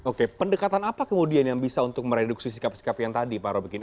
oke pendekatan apa kemudian yang bisa untuk mereduksi sikap sikap yang tadi pak robin